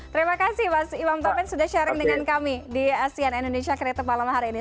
terima kasih mas imam topen sudah sharing dengan kami di acn indonesia kreator malam hari ini